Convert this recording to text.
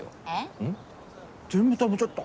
全部食べちゃった。